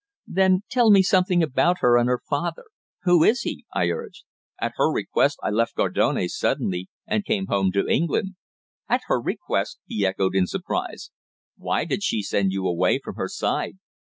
"Then tell me something about her, and her father. Who is he?" I urged. "At her request I left Gardone suddenly, and came home to England." "At her request!" he echoed in surprise. "Why did she send you away from her side?"